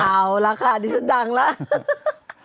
เอาละค่ะดิฉันดังแล้ว